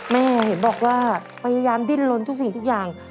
เห็นบอกว่าพยายามดิ้นลนทุกสิ่งทุกอย่าง